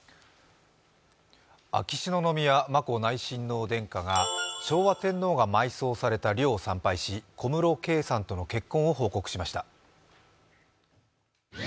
秋篠宮・眞子内親王殿下が昭和天皇が埋葬された陵を参拝し、小室圭さんとの結婚を報告しました。